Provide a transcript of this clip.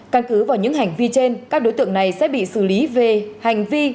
căn cứ vào những hành vi trên các đối tượng này sẽ bị xử lý về hành vi